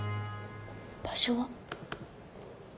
「場所」は？